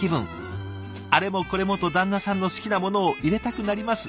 あれもこれもと旦那さんの好きなものを入れたくなります。